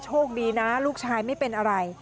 โชคดีนะลูกชายไม่เป็นอะไร